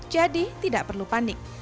jadi tidak perlu panik